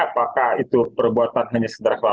apakah itu perbuatan hanya sederhana